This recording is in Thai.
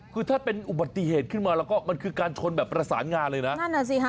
คือถ้าเป็นอุบัติเหตุขึ้นมาแล้วก็มันคือการชนแบบประสานงานเลยนะนั่นอ่ะสิฮะ